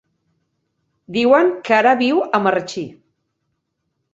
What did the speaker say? Diuen que ara viu a Marratxí.